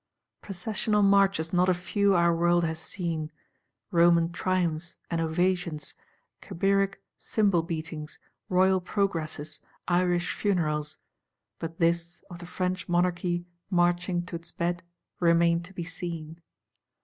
Processional marches not a few our world has seen; Roman triumphs and ovations, Cabiric cymbal beatings, Royal progresses, Irish funerals: but this of the French Monarchy marching to its bed remained to be seen.